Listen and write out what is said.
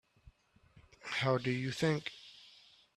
How do you think?